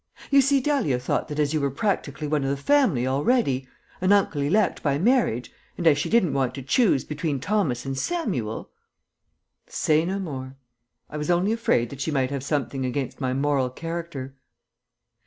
"You see, Dahlia thought that as you were practically one of the family already, an uncle elect by marriage, and as she didn't want to choose between Thomas and Samuel " "Say no more. I was only afraid that she might have something against my moral character.